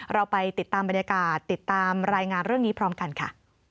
เราไปติดตามบรรยากาศติดตามรายงานเรื่องนี้พร้อมกันค่ะ